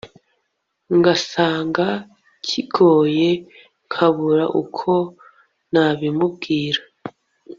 ngasanga kigoye nkabura uko nabimubwira